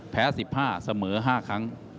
แพ้๑๕เสมอ๕ครั้ง